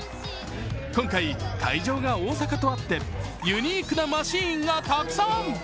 今回、会場が大阪とあってユニークなマシーンがたくさん。